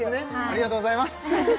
ありがとうございます！